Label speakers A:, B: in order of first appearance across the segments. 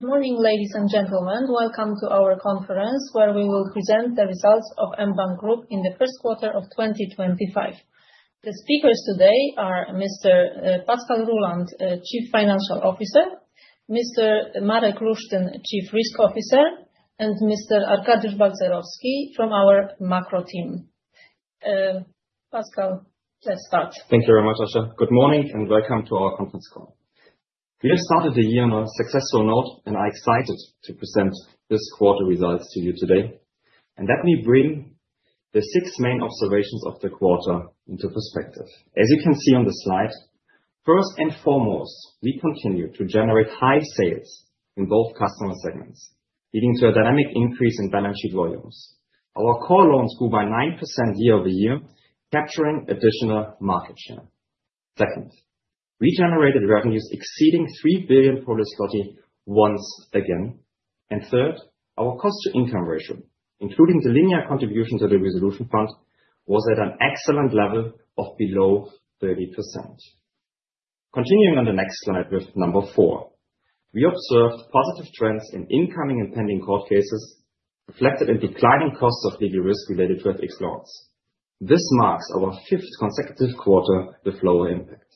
A: Good morning, ladies and gentlemen. Welcome to our conference, where we will present the results of mBank Group in the first quarter of 2025. The speakers today are Mr. Pascal Ruhland, Chief Financial Officer, Mr. Marek Lusztyn, Chief Risk Officer, and Mr. Arkadiusz Balcerowski from our macro team. Pascal, please start.
B: Thank you very much, Asia. Good morning and welcome to our conference call. We have started the year on a successful note, and I'm excited to present this quarter results to you today. Let me bring the six main observations of the quarter into perspective. As you can see on the slide, first and foremost, we continue to generate high sales in both customer segments, leading to a dynamic increase in balance sheet volumes. Our core loans grew by 9% year over year, capturing additional market share. Second, we generated revenues exceeding 3 billion once again. Third, our cost-to-income ratio, including the linear contribution to the Resolution Fund, was at an excellent level of below 30%. Continuing on the next slide with number four, we observed positive trends in incoming and pending court cases, reflected in declining costs of legal risk related to FX loans. This marks our fifth consecutive quarter with lower impact.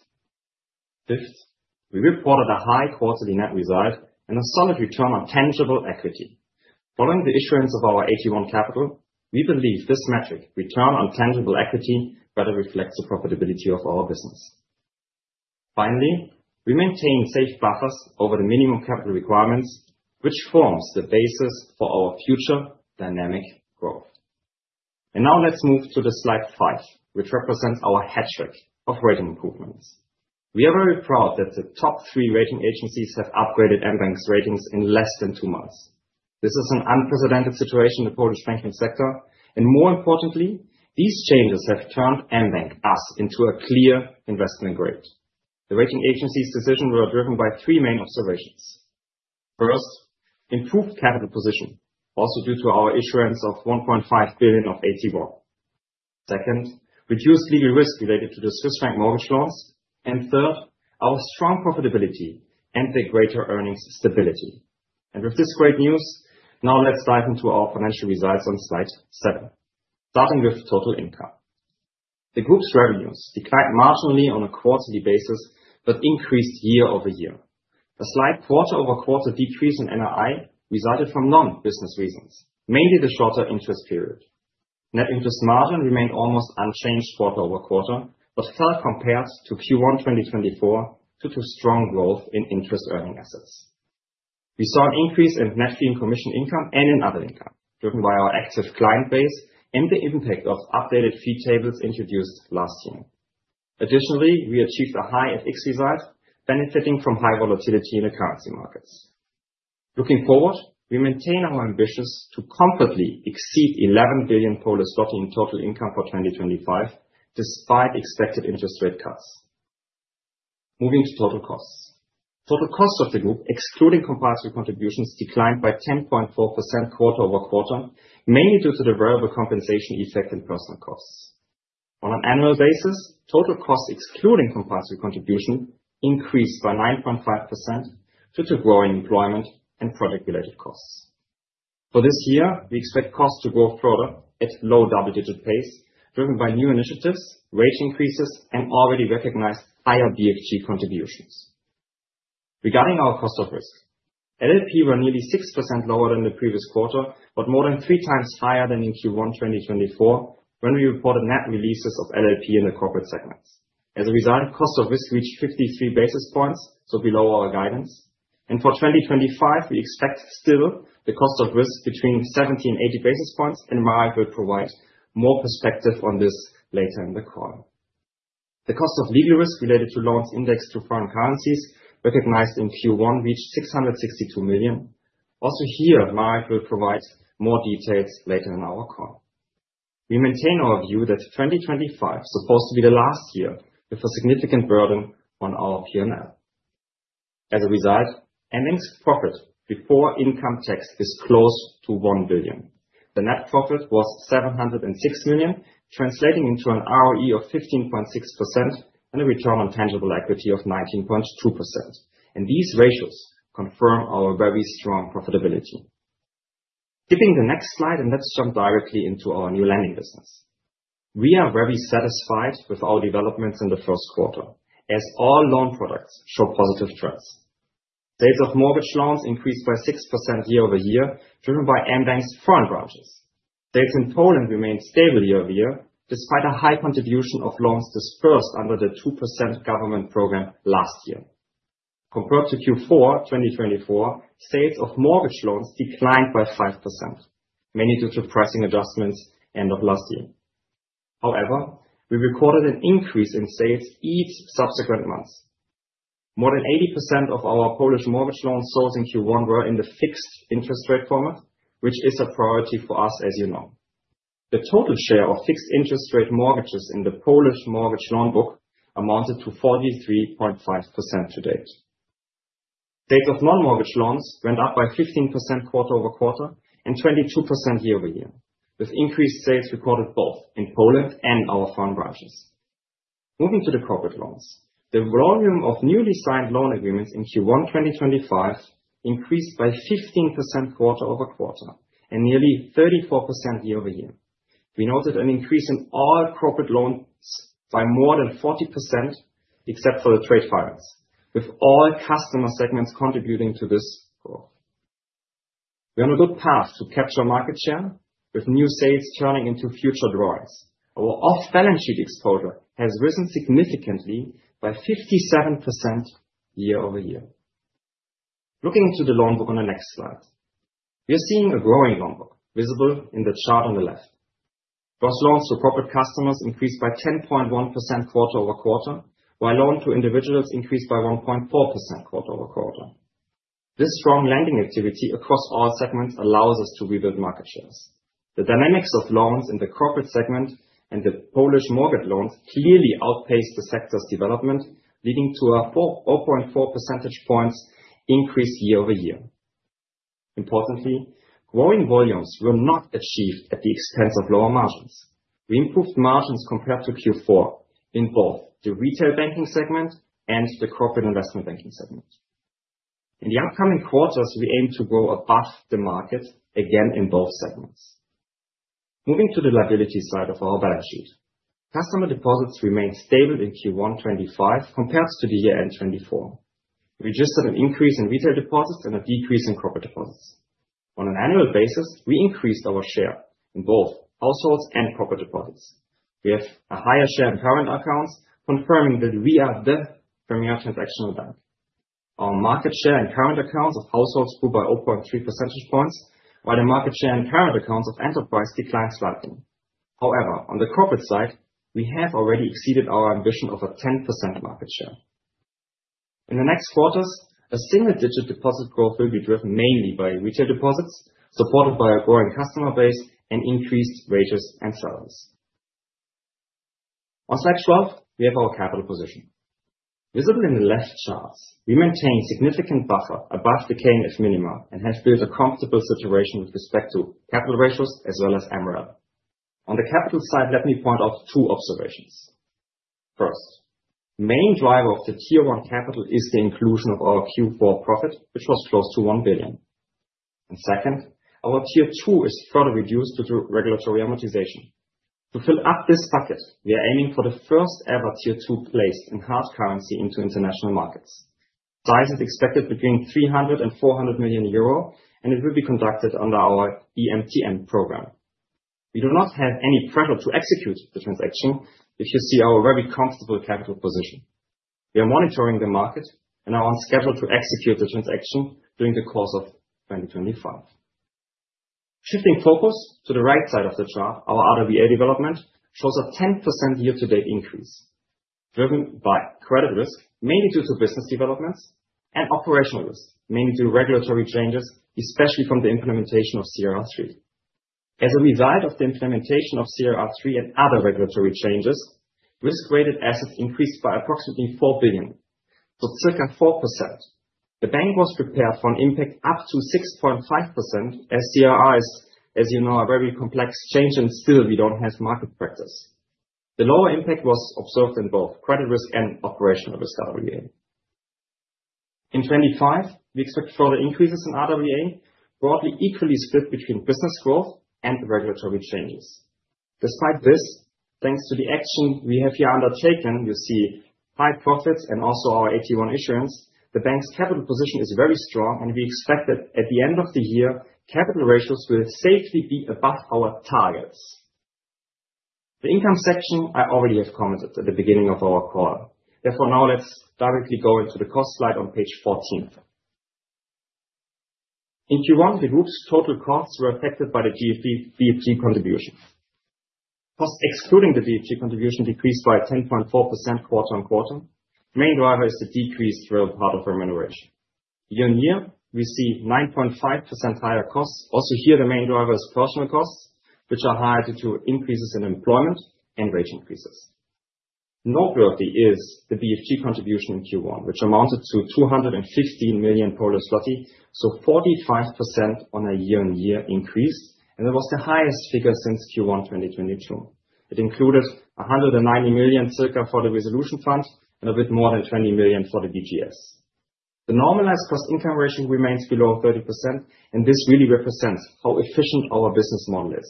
B: Fifth, we reported a high quarterly net result and a solid return on tangible equity. Following the issuance of our AT1 capital, we believe this metric, return on tangible equity, better reflects the profitability of our business. Finally, we maintain safe buffers over the minimum capital requirements, which forms the basis for our future dynamic growth. Now let's move to slide five, which represents our hat trick of rating improvements. We are very proud that the top three rating agencies have upgraded mBank's ratings in less than two months. This is an unprecedented situation in the Polish banking sector. More importantly, these changes have turned mBank, us, into a clear investment grade. The rating agencies' decisions were driven by three main observations. First, improved capital position, also due to our issuance of 1.5 billion of AT1. Second, reduced legal risk related to the Swiss franc mortgage loans. Third, our strong profitability and the greater earnings stability. With this great news, now let's dive into our financial results on slide seven, starting with total income. The group's revenues declined marginally on a quarterly basis, but increased year over year. A slight quarter-over-quarter decrease in NII resulted from non-business reasons, mainly the shorter interest period. Net interest margin remained almost unchanged quarter-over-quarter, but fell compared to Q1 2024 due to strong growth in interest-earning assets. We saw an increase in net fee and commission income and in other income, driven by our active client base and the impact of updated fee tables introduced last year. Additionally, we achieved a high FX result, benefiting from high volatility in the currency markets. Looking forward, we maintain our ambitions to comfortably exceed 11 billion in total income for 2025, despite expected interest rate cuts. Moving to total costs. Total costs of the group, excluding compulsory contributions, declined by 10.4% quarter over quarter, mainly due to the variable compensation effect and personnel costs. On an annual basis, total costs excluding compulsory contribution increased by 9.5% due to growing employment and project-related costs. For this year, we expect costs to grow further at low double-digit pace, driven by new initiatives, rate increases, and already recognized higher BFG contributions. Regarding our cost of risk, LLP were nearly 6% lower than the previous quarter, but more than three times higher than in Q1 2024 when we reported net releases of LLP in the corporate segments. As a result, cost of risk reached 53 basis points, below our guidance. For 2025, we expect still the cost of risk between 70 and 80 basis points, and Marek will provide more perspective on this later in the call. The cost of legal risk related to loans indexed to foreign currencies, recognized in Q1, reached 662 million. Also here, Marek will provide more details later in our call. We maintain our view that 2025 is supposed to be the last year with a significant burden on our P&L. As a result, mBank's profit before income tax is close to 1 billion. The net profit was 706 million, translating into an ROE of 15.6% and a return on tangible equity of 19.2%. These ratios confirm our very strong profitability. Skipping the next slide, let's jump directly into our new lending business. We are very satisfied with our developments in the first quarter, as all loan products show positive trends. Sales of mortgage loans increased by 6% year over year, driven by mBank's foreign branches. Sales in Poland remained stable year over year, despite a high contribution of loans dispersed under the 2% government program last year. Compared to Q4 2024, sales of mortgage loans declined by 5%, mainly due to pricing adjustments end of last year. However, we recorded an increase in sales each subsequent month. More than 80% of our Polish mortgage loan sales in Q1 were in the fixed interest rate format, which is a priority for us, as you know. The total share of fixed interest rate mortgages in the Polish mortgage loan book amounted to 43.5% to date. Sales of non-mortgage loans went up by 15% quarter over quarter and 22% year over year, with increased sales recorded both in Poland and our foreign branches. Moving to the corporate loans, the volume of newly signed loan agreements in Q1 2025 increased by 15% quarter over quarter and nearly 34% year over year. We noted an increase in all corporate loans by more than 40%, except for the trade finance, with all customer segments contributing to this growth. We are on a good path to capture market share, with new sales turning into future drawings. Our off-balance sheet exposure has risen significantly by 57% year over year. Looking into the loan book on the next slide, we are seeing a growing loan book visible in the chart on the left. Corporate loans to corporate customers increased by 10.1% quarter over quarter, while loans to individuals increased by 1.4% quarter over quarter. This strong lending activity across all segments allows us to rebuild market shares. The dynamics of loans in the corporate segment and the Polish mortgage loans clearly outpaced the sector's development, leading to a 0.4 percentage points increase year over year. Importantly, growing volumes were not achieved at the expense of lower margins. We improved margins compared to Q4 in both the retail banking segment and the corporate investment banking segment. In the upcoming quarters, we aim to grow above the market again in both segments. Moving to the liability side of our balance sheet, customer deposits remained stable in Q1 2025 compared to the year end 2024. We just had an increase in retail deposits and a decrease in corporate deposits. On an annual basis, we increased our share in both households and corporate deposits. We have a higher share in current accounts, confirming that we are the premier transactional bank. Our market share in current accounts of households grew by 0.3 percentage points, while the market share in current accounts of enterprise declined slightly. However, on the corporate side, we have already exceeded our ambition of a 10% market share. In the next quarters, a single-digit deposit growth will be driven mainly by retail deposits, supported by a growing customer base, and increased wages and salaries. On slide 12, we have our capital position. Visible in the left charts, we maintain a significant buffer above the KNF minima and have built a comfortable situation with respect to capital ratios as well as MREL. On the capital side, let me point out two observations. First, the main driver of the Tier 1 capital is the inclusion of our Q4 profit, which was close to 1 billion. Second, our Tier 2 is further reduced due to regulatory amortization. To fill up this bucket, we are aiming for the first-ever Tier 2 placement in hard currency into international markets. Size is expected between 300 million euro and 400 million euro, and it will be conducted under our EMTN program. We do not have any pressure to execute the transaction if you see our very comfortable capital position. We are monitoring the market and are on schedule to execute the transaction during the course of 2025. Shifting focus to the right side of the chart, our RWA development shows a 10% year-to-date increase, driven by credit risk, mainly due to business developments, and operational risk, mainly due to regulatory changes, especially from the implementation of CRR3. As a result of the implementation of CRR3 and other regulatory changes, risk-weighted assets increased by approximately 4 billion, so circa 4%. The bank was prepared for an impact up to 6.5%, as CRR is, as you know, a very complex change, and still we do not have market practice. The lower impact was observed in both credit risk and operational risk RWA. In 2025, we expect further increases in RWA, broadly equally split between business growth and regulatory changes. Despite this, thanks to the action we have here undertaken, you see high profits and also our AT1 issuance, the bank's capital position is very strong, and we expect that at the end of the year, capital ratios will safely be above our targets. The income section I already have commented at the beginning of our call. Therefore, now let's directly go into the cost slide on page 14. In Q1, the group's total costs were affected by the BFG contribution. Costs excluding the BFG contribution decreased by 10.4% quarter on quarter. The main driver is the decreased real part of remuneration. Year on year, we see 9.5% higher costs. Also here, the main driver is personal costs, which are higher due to increases in employment and wage increases. Noteworthy is the BFG contribution in Q1, which amounted to 215 million, so 45% on a year-on-year increase, and it was the highest figure since Q1 2022. It included circa 190 million for the Resolution Fund and a bit more than 20 million for the DGS. The normalized cost-income ratio remains below 30%, and this really represents how efficient our business model is.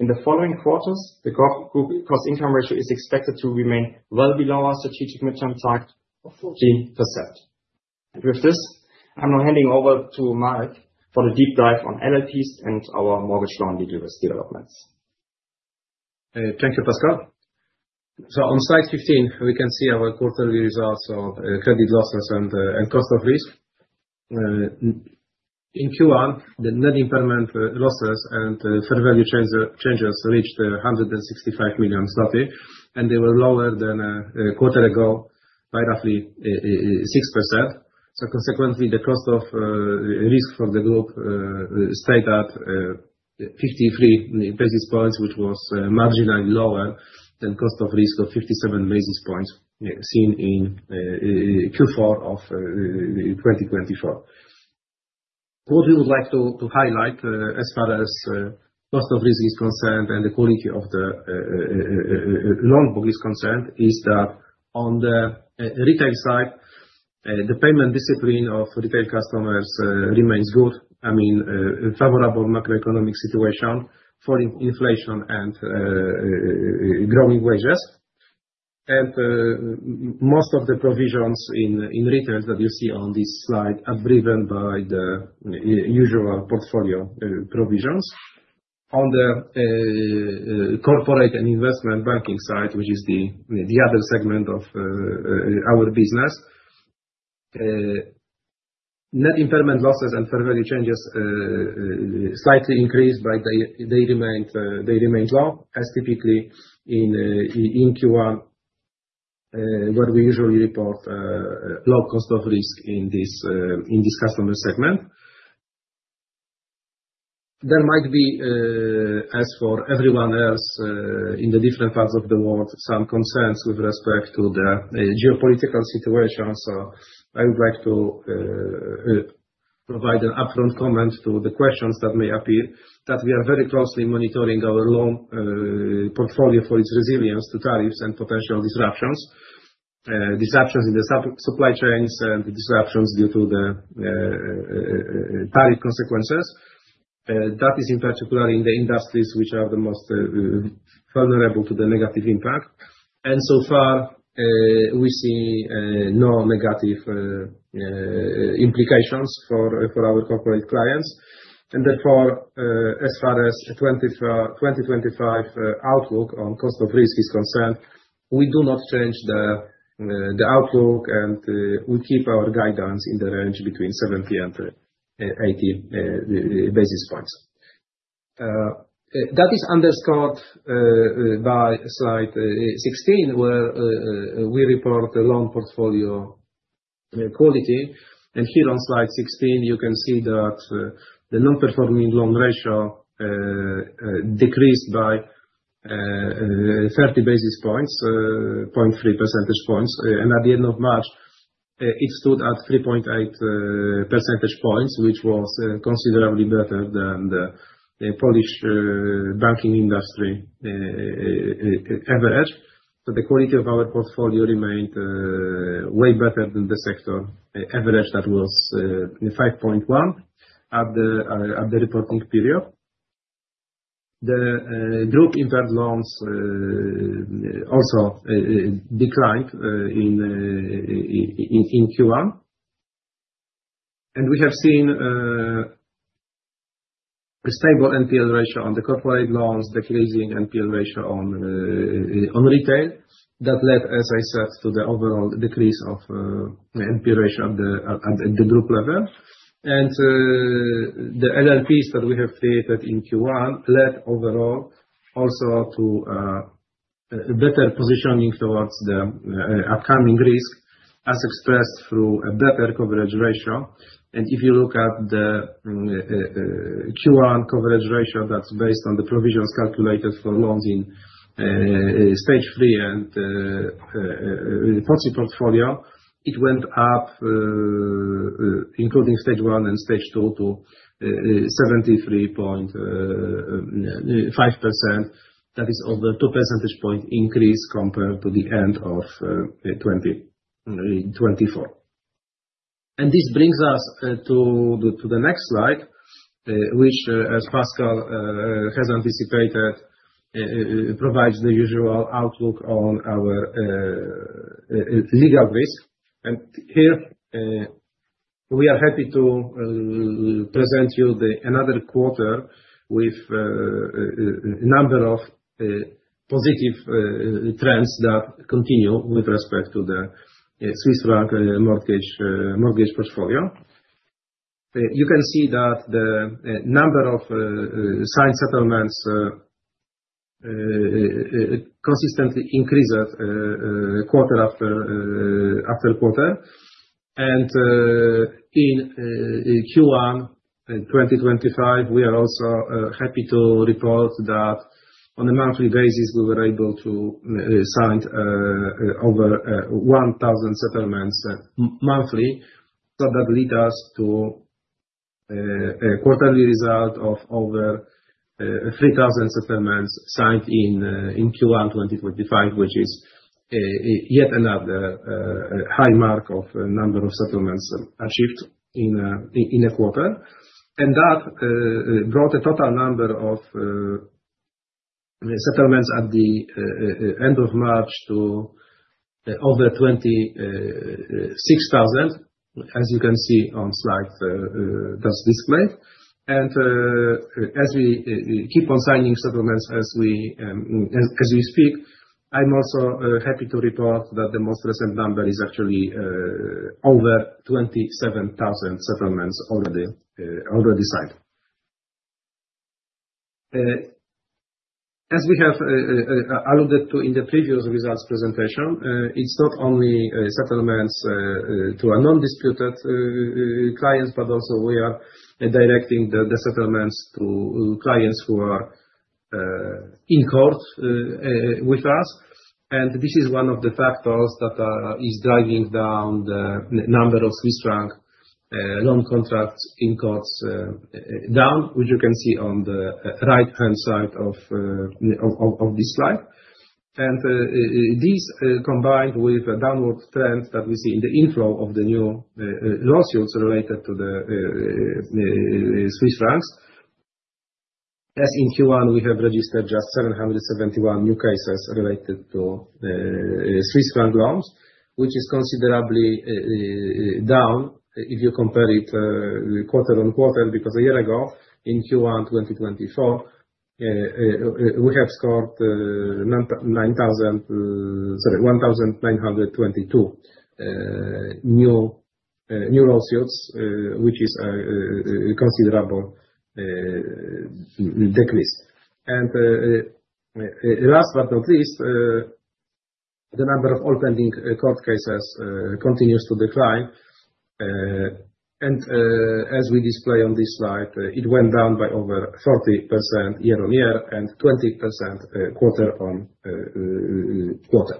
B: In the following quarters, the cost-income ratio is expected to remain well below our strategic midterm target of 14%. With this, I am now handing over to Marek for the deep dive on LLPs and our mortgage loan legal risk developments.
C: Thank you, Pascal. On slide 15, we can see our quarterly results of credit losses and cost of risk. In Q1, the net impairment losses and fair value changes reached 165 million zloty, and they were lower than a quarter ago by roughly 6%. Consequently, the cost of risk for the group stayed at 53 basis points, which was marginally lower than the cost of risk of 57 basis points seen in Q4 of 2024. What we would like to highlight as far as cost of risk is concerned and the quality of the loan book is concerned is that on the retail side, the payment discipline of retail customers remains good. I mean, a favorable macroeconomic situation following inflation and growing wages. Most of the provisions in retail that you see on this slide are driven by the usual portfolio provisions. On the corporate and investment banking side, which is the other segment of our business, net impairment losses and fair value changes slightly increased, but they remained low, as typically in Q1, where we usually report low cost of risk in this customer segment. There might be, as for everyone else in the different parts of the world, some concerns with respect to the geopolitical situation. I would like to provide an upfront comment to the questions that may appear that we are very closely monitoring our loan portfolio for its resilience to tariffs and potential disruptions, disruptions in the supply chains, and disruptions due to the tariff consequences. That is in particular in the industries which are the most vulnerable to the negative impact. So far, we see no negative implications for our corporate clients. Therefore, as far as the 2025 outlook on cost of risk is concerned, we do not change the outlook, and we keep our guidance in the range between 70 and 80 basis points. That is underscored by slide 16, where we report the loan portfolio quality. Here on slide 16, you can see that the non-performing loan ratio decreased by 30 basis points, 0.3 percentage points. At the end of March, it stood at 3.8 percentage points, which was considerably better than the Polish banking industry average. The quality of our portfolio remained way better than the sector average that was 5.1 at the reporting period. The group impaired loans also declined in Q1. We have seen a stable NPL ratio on the corporate loans, decreasing NPL ratio on retail. That led, as I said, to the overall decrease of NPL ratio at the group level. The LLPs that we have created in Q1 led overall also to better positioning towards the upcoming risk, as expressed through a better coverage ratio. If you look at the Q1 coverage ratio that is based on the provisions calculated for loans in stage three and POCI portfolio, it went up, including stage one and stage two, to 73.5%. That is over 2 percentage points increase compared to the end of 2024. This brings us to the next slide, which, as Pascal has anticipated, provides the usual outlook on our legal risk. Here, we are happy to present you another quarter with a number of positive trends that continue with respect to the Swiss franc mortgage portfolio. You can see that the number of signed settlements consistently increases quarter after quarter. In Q1 2025, we are also happy to report that on a monthly basis, we were able to sign over 1,000 settlements monthly. That led us to a quarterly result of over 3,000 settlements signed in Q1 2025, which is yet another high mark of the number of settlements achieved in a quarter. That brought a total number of settlements at the end of March to over 26,000, as you can see on the slide that's displayed. As we keep on signing settlements as we speak, I'm also happy to report that the most recent number is actually over 27,000 settlements already signed. As we have alluded to in the previous results presentation, it's not only settlements to undisputed clients, but also we are directing the settlements to clients who are in court with us. This is one of the factors that is driving down the number of Swiss franc loan contracts in courts, which you can see on the right-hand side of this slide. These, combined with the downward trend that we see in the inflow of new lawsuits related to the Swiss franc. As in Q1, we have registered just 771 new cases related to Swiss franc loans, which is considerably down if you compare it quarter on quarter because a year ago in Q1 2024, we have scored 1,922 new lawsuits, which is a considerable decrease. Last but not least, the number of all pending court cases continues to decline. As we display on this slide, it went down by over 40% year on year and 20% quarter on quarter.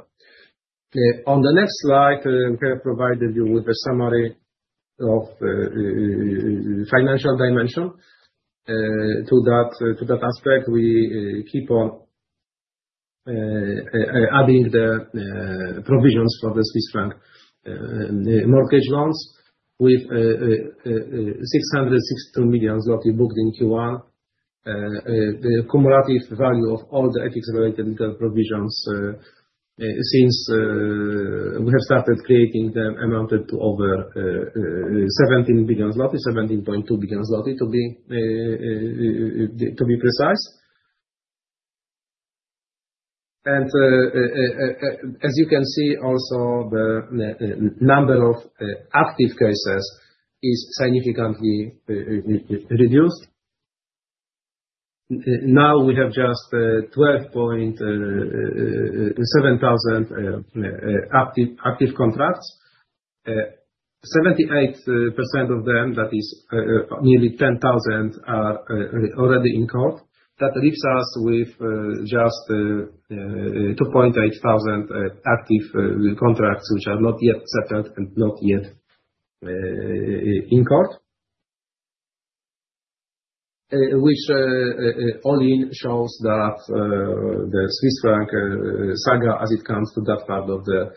C: On the next slide, we have provided you with a summary of financial dimension. To that aspect, we keep on adding the provisions for the Swiss franc mortgage loans with 662 million zloty booked in Q1. The cumulative value of all the FX-related legal provisions since we have started creating them amounted to over 17 billion zloty, 17.2 billion zloty, to be precise. As you can see, also the number of active cases is significantly reduced. Now we have just 12,700 active contracts. 78% of them, that is nearly 10,000, are already in court. That leaves us with just 2,800 active contracts, which are not yet settled and not yet in court, which all in shows that the Swiss franc saga, as it comes to that part of the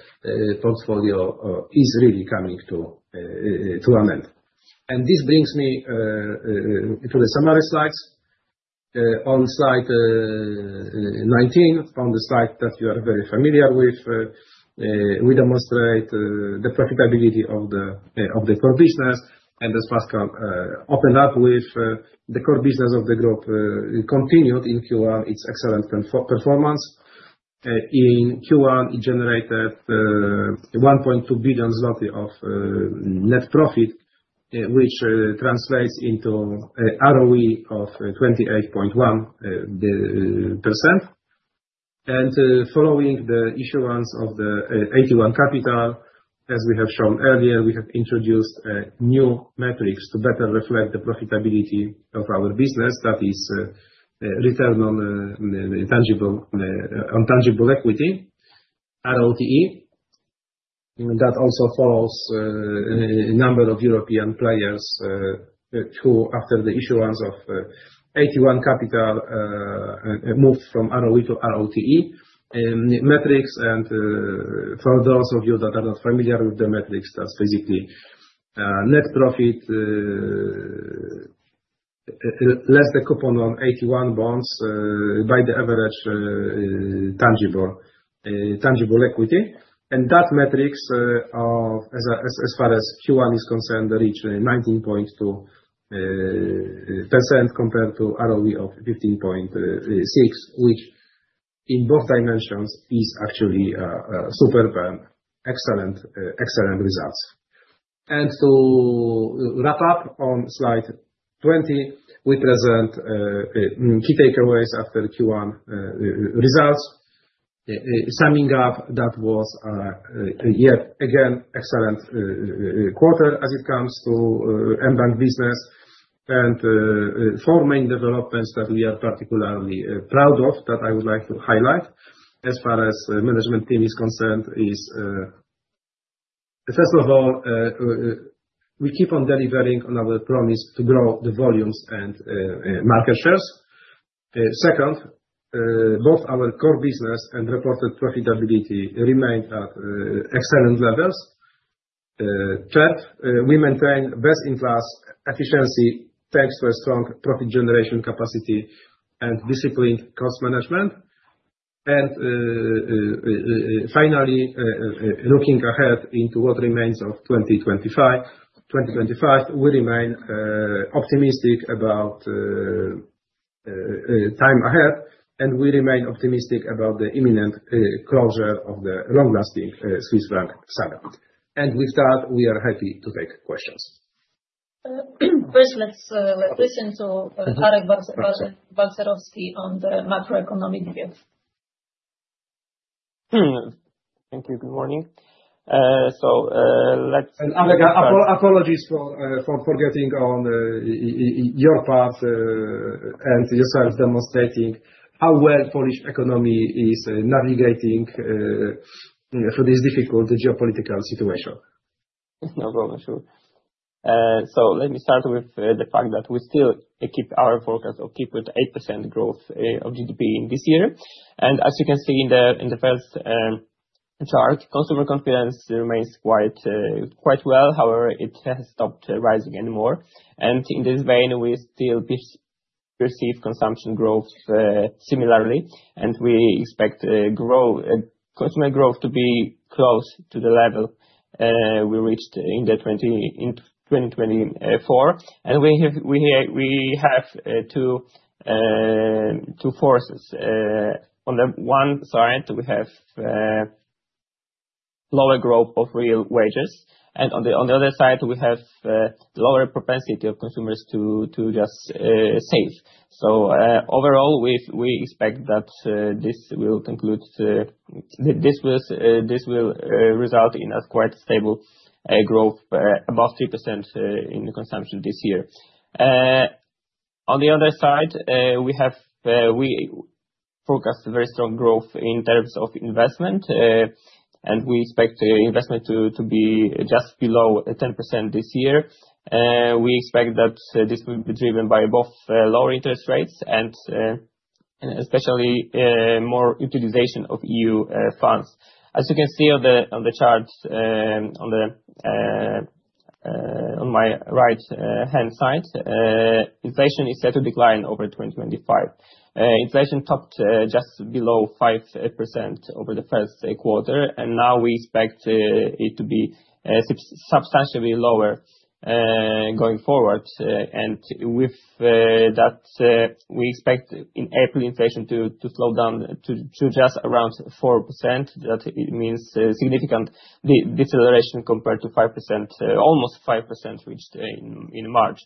C: portfolio, is really coming to an end. This brings me to the summary slides. On slide 19, on the slide that you are very familiar with, we demonstrate the profitability of the core business. As Pascal opened up with, the core business of the group continued in Q1 its excellent performance. In Q1, it generated 1.2 billion zloty of net profit, which translates into an ROE of 28.1%. Following the issuance of the AT1 capital, as we have shown earlier, we have introduced new metrics to better reflect the profitability of our business. That is return on tangible equity, ROTE. That also follows a number of European players who, after the issuance of AT1 capital, moved from ROE to ROTE metrics. For those of you that are not familiar with the metrics, that's basically net profit less the coupon on AT1 bonds by the average tangible equity. That metric, as far as Q1 is concerned, reached 19.2% compared to ROE of 15.6%, which in both dimensions is actually super excellent results. To wrap up on slide 20, we present key takeaways after Q1 results. Summing up, that was yet again an excellent quarter as it comes to mBank business. Four main developments that we are particularly proud of that I would like to highlight as far as the management team is concerned is, first of all, we keep on delivering on our promise to grow the volumes and market shares. Second, both our core business and reported profitability remained at excellent levels. Third, we maintain best-in-class efficiency thanks to a strong profit generation capacity and disciplined cost management. Finally, looking ahead into what remains of 2025, we remain optimistic about time ahead, and we remain optimistic about the imminent closure of the long-lasting Swiss franc saga. With that, we are happy to take questions.
A: First, let's listen to Arkadiusz Balcerowski on the macroeconomic view. Thank you. Good morning. Let's—
C: Apologies for forgetting on your part and yourself demonstrating how well Polish economy is navigating through this difficult geopolitical situation.
D: No problem. Let me start with the fact that we still keep our forecast or keep with 8% growth of GDP in this year. As you can see in the first chart, consumer confidence remains quite well. However, it has stopped rising anymore. In this vein, we still perceive consumption growth similarly. We expect consumer growth to be close to the level we reached in 2024. We have two forces. On the one side, we have lower growth of real wages. On the other side, we have lower propensity of consumers to just save. Overall, we expect that this will conclude—this will result in a quite stable growth, above 3% in consumption this year. On the other side, we forecast very strong growth in terms of investment. We expect investment to be just below 10% this year. We expect that this will be driven by both lower interest rates and especially more utilization of EU funds. As you can see on the chart, on my right-hand side, inflation is set to decline over 2025. Inflation topped just below 5% over the first quarter. Now we expect it to be substantially lower going forward. With that, we expect in April, inflation to slow down to just around 4%. That means significant deceleration compared to almost 5% reached in March.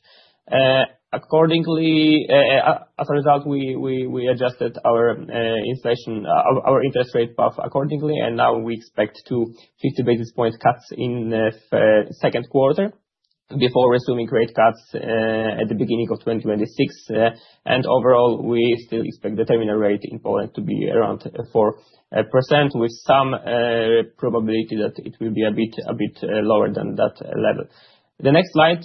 D: Accordingly, as a result, we adjusted our inflation, our interest rate path accordingly. We now expect two 50 basis point cuts in the second quarter before resuming rate cuts at the beginning of 2026. Overall, we still expect the terminal rate in Poland to be around 4%, with some probability that it will be a bit lower than that level. The next slide,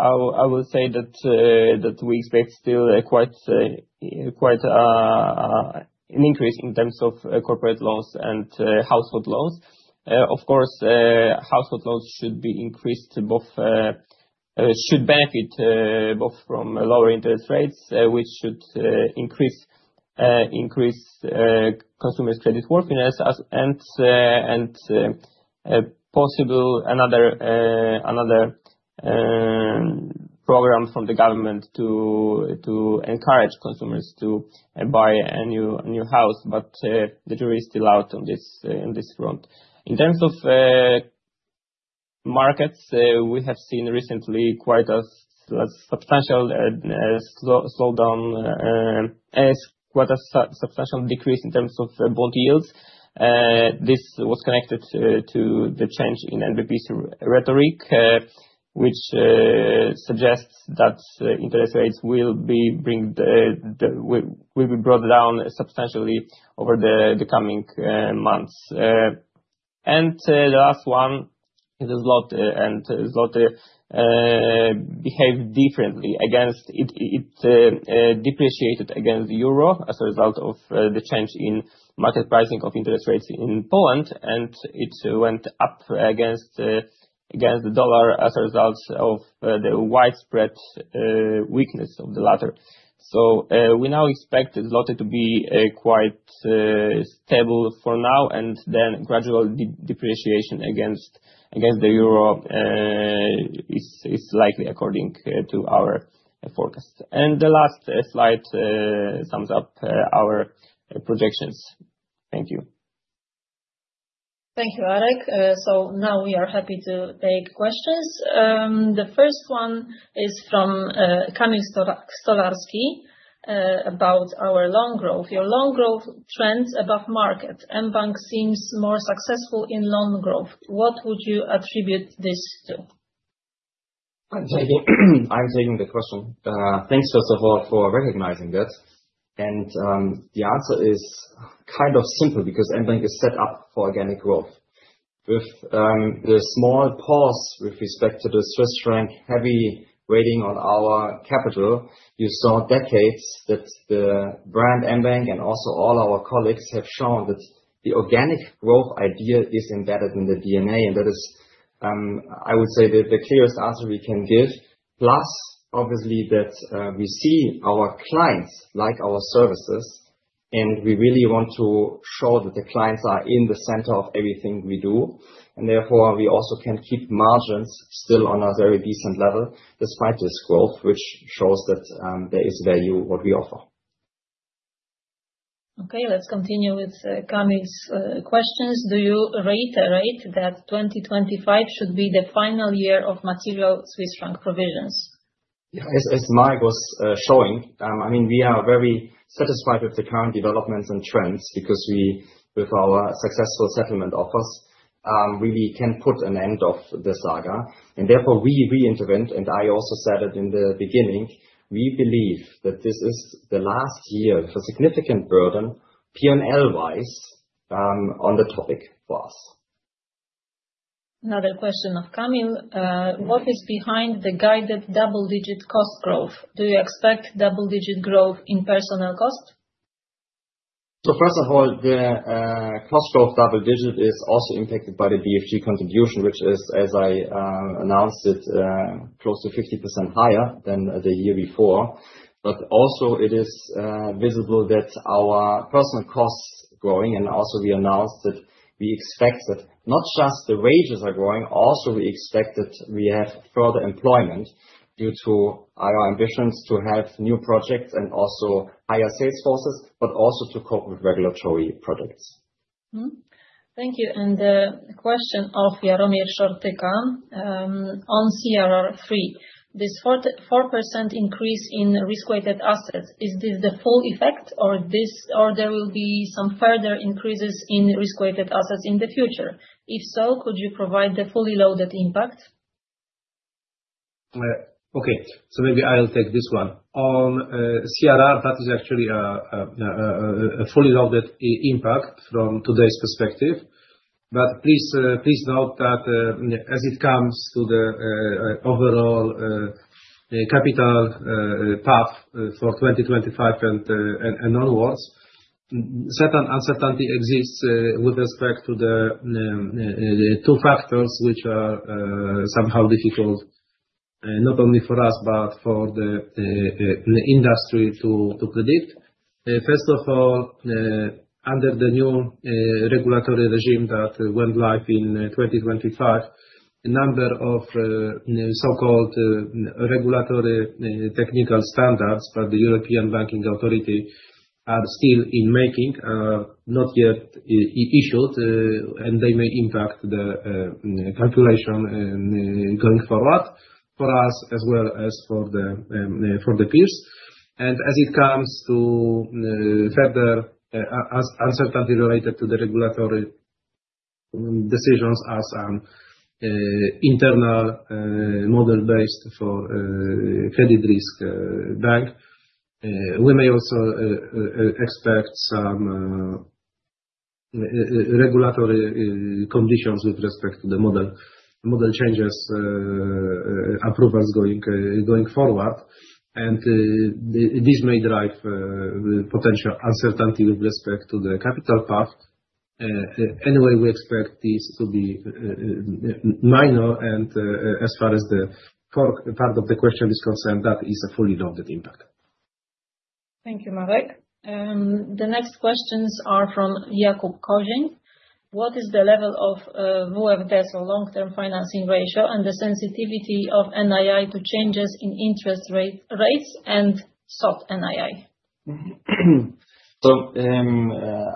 D: I will say that we expect still quite an increase in terms of corporate loans and household loans. Of course, household loans should be increased; both should benefit both from lower interest rates, which should increase consumers' creditworthiness and possibly another program from the government to encourage consumers to buy a new house. The jury is still out on this front. In terms of markets, we have seen recently quite a substantial slowdown, quite a substantial decrease in terms of bond yields. This was connected to the change in NBP's rhetoric, which suggests that interest rates will be brought down substantially over the coming months. The last one is a złoty, and the złoty behaved differently against it. It depreciated against the euro as a result of the change in market pricing of interest rates in Poland. It went up against the dollar as a result of the widespread weakness of the latter. We now expect the złoty to be quite stable for now, and then gradual depreciation against the euro is likely according to our forecast. The last slide sums up our projections. Thank you.
A: Thank you, Marek. We are happy to take questions. The first one is from Kamil Stolarski about our loan growth. Your loan growth trends above market. mBank seems more successful in loan growth. What would you attribute this to?
B: I'm taking the question. Thanks, first of all, for recognizing that. The answer is kind of simple because mBank is set up for organic growth. With the small pause with respect to the Swiss franc heavy weighting on our capital, you saw decades that the brand mBank and also all our colleagues have shown that the organic growth idea is embedded in the DNA. That is, I would say, the clearest answer we can give. Plus, obviously, we see our clients like our services, and we really want to show that the clients are in the center of everything we do. Therefore, we also can keep margins still on a very decent level despite this growth, which shows that there is value in what we offer.
A: Okay, let's continue with Kamil's questions. Do you reiterate that 2025 should be the final year of material Swiss franc provisions?
B: Yeah, as Marek was showing, I mean, we are very satisfied with the current developments and trends because we, with our successful settlement offers, really can put an end to this saga. Therefore, we reintervent, and I also said it in the beginning, we believe that this is the last year for significant burden P&L-wise on the topic for us.
A: Another question of Kamil. What is behind the guided double-digit cost growth? Do you expect double-digit growth in personal cost?
B: First of all, the cost growth double-digit is also impacted by the BFG contribution, which is, as I announced, close to 50% higher than the year before. It is also visible that our personnel costs are growing. We announced that we expect that not just the wages are growing, we also expect that we have further employment due to our ambitions to have new projects and also higher sales forces, but also to cope with regulatory projects.
A: Thank you. The question of Jaromir Szortyka on CRR3. This 4% increase in risk-weighted assets, is this the full effect, or will there be some further increases in risk-weighted assets in the future? If so, could you provide the fully loaded impact?
C: Okay, maybe I'll take this one. On CRR, that is actually a fully loaded impact from today's perspective. Please note that as it comes to the overall capital path for 2025 and onwards, certain uncertainty exists with respect to the two factors which are somehow difficult, not only for us, but for the industry to predict. First of all, under the new regulatory regime that went live in 2025, a number of so-called regulatory technical standards by the European Banking Authority are still in making, not yet issued, and they may impact the calculation going forward for us as well as for the peers. As it comes to further uncertainty related to the regulatory decisions as an internal model based for credit risk bank, we may also expect some regulatory conditions with respect to the model changes approvals going forward. This may drive potential uncertainty with respect to the capital path. Anyway, we expect this to be minor. As far as the part of the question is concerned, that is a fully loaded impact.
A: Thank you, Marek. The next questions are from Jakub Koźlin. What is the level of WFD, so long-term financing ratio, and the sensitivity of NII to changes in interest rates and SOT NII?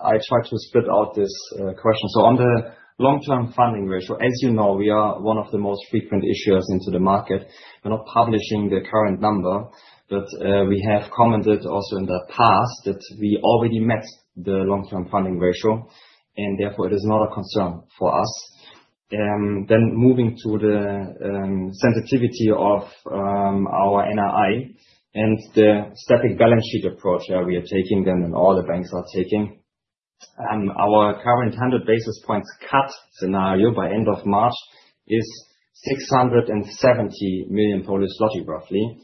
B: I tried to split out this question. On the long-term funding ratio, as you know, we are one of the most frequent issuers into the market. We are not publishing the current number, but we have commented also in the past that we already met the long-term funding ratio, and therefore, it is not a concern for us. Moving to the sensitivity of our NII and the static balance sheet approach that we are taking and all the banks are taking, our current 100 basis points cut scenario by end of March is 670 million Polish zloty, roughly.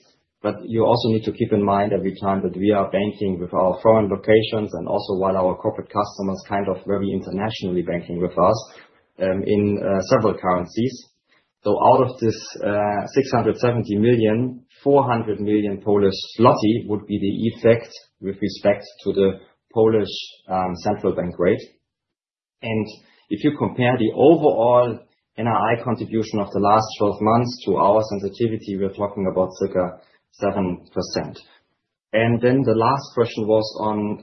B: You also need to keep in mind every time that we are banking with our foreign locations and also while our corporate customers kind of very internationally banking with us in several currencies. Out of this 670 million, 400 million Polish zloty would be the effect with respect to the Polish central bank rate. If you compare the overall NII contribution of the last 12 months to our sensitivity, we're talking about circa 7%. The last question was on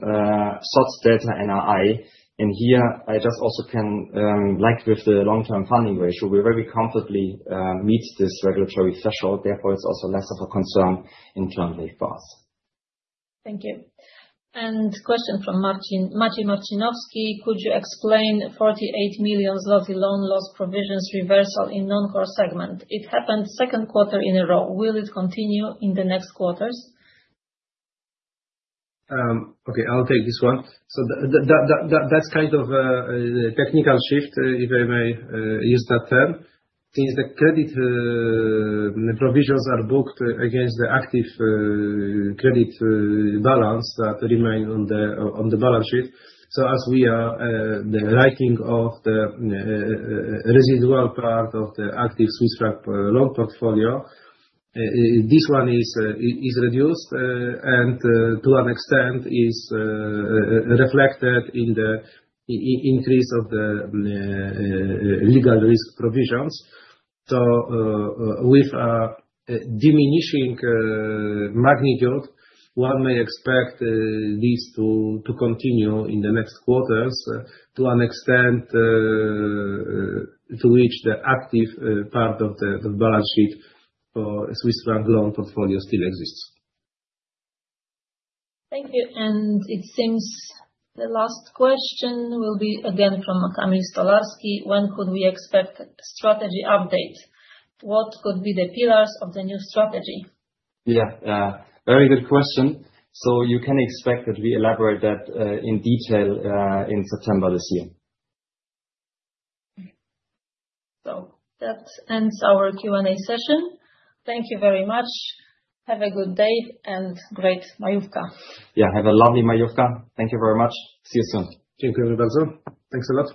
B: SOT's data NII. Here, I just also can, like with the long-term funding ratio, we very comfortably meet this regulatory threshold. Therefore, it's also less of a concern in terms of us.
A: Thank you. Question from Maciej Marcinowski. Could you explain 48 million zloty loan loss provisions reversal in non-core segment? It happened second quarter in a row. Will it continue in the next quarters?
C: Okay, I'll take this one. That's kind of a technical shift, if I may use that term. Since the credit provisions are booked against the active credit balance that remains on the balance sheet, as we are the writing of the residual part of the active Swiss franc loan portfolio, this one is reduced and to an extent is reflected in the increase of the legal risk provisions. With a diminishing magnitude, one may expect this to continue in the next quarters to an extent to which the active part of the balance sheet for Swiss franc loan portfolio still exists.
A: Thank you. It seems the last question will be again from Kamil Stolarski. When could we expect strategy update? What could be the pillars of the new strategy?
B: Yeah, very good question. You can expect that we elaborate that in detail in September this year.
A: That ends our Q&A session. Thank you very much. Have a good day and great majówka.
B: Yeah, have a lovely majówka. Thank you very much. See you soon.
C: Dziękujemy bardzo. Thanks a lot.